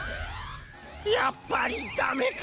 やっぱりダメカ！